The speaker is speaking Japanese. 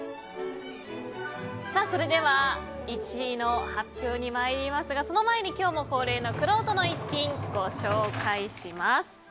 それでは、１位の発表ですがその前に今日も恒例のくろうとの逸品をご紹介します。